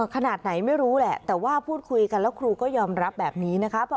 ขนาดไหนไม่รู้แหละแต่ว่าพูดคุยกันแล้วครูก็ยอมรับแบบนี้นะคะ